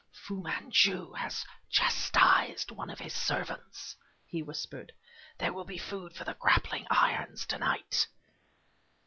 "Fu Manchu has chastised one of his servants," he whispered. "There will be food for the grappling irons to night!"